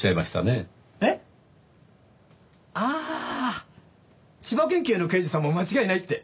えっ？ああ千葉県警の刑事さんも間違いないって。